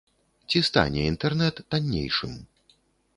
Ці стане інтэрнэт таннейшым?